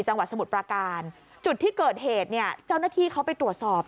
จังหวัดสมุทรประการจุดที่เกิดเหตุเจ้าหน้าที่เขาไปตรวจสอบ